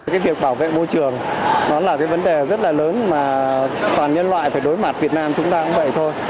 cái việc bảo vệ môi trường nó là cái vấn đề rất là lớn mà toàn nhân loại phải đối mặt việt nam chúng ta cũng vậy thôi